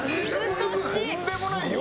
とんでもないよ！